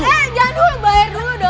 eh jangan dulu bayar dulu dong